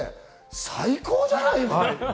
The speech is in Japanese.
最高じゃない。